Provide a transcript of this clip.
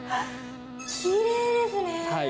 きれいですね。